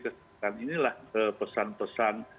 kesehatan inilah pesan pesan